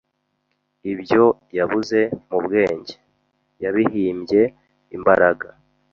Ibyo yabuze mubwenge, yabihimbye imbaraga.